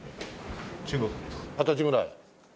二十歳ぐらい？